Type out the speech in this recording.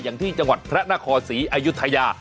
อย่างที่จังหวัดแพร่หน้าข่อสีอายุธยา